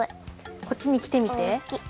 こっちにきてみて。